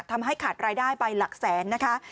ทำให้ขาดรายได้ไปหลักแสนนะคะ